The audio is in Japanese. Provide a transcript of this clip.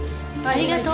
ありがとう。